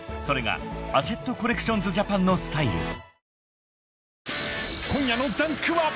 ［それがアシェット・コレクションズ・ジャパンのスタイル］